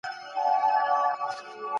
د رښتیني دین پوهاوی د ژوند لپاره مهم دی.